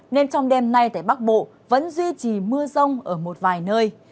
nên trong đêm nay tại bắc bộ vẫn duy trì mưa rông ở một vài nơi